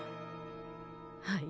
はい。